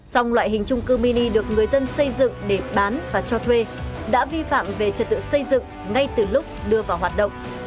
song loại hình trung cư mini được người dân xây dựng để bán và cho thuê đã vi phạm về trật tự xây dựng ngay từ lúc đưa vào hoạt động